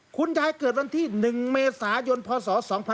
คุณยายเกิดวันที่๑เมษายนพศ๒๕๖๒